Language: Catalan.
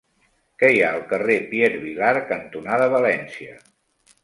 Què hi ha al carrer Pierre Vilar cantonada València?